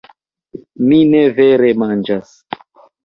Mi ne vere manĝas